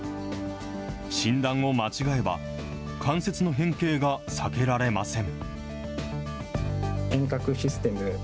診断を間違えば、関節の変形が避けられません。